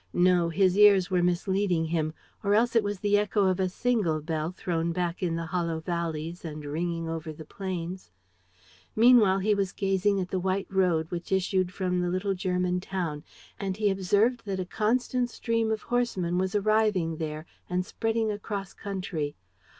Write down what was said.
No, his ears were misleading him; or else it was the echo of a single bell thrown back in the hollow valleys and ringing over the plains. Meanwhile he was gazing at the white road which issued from the little German town, and he observed that a constant stream of horsemen was arriving there and spreading across country.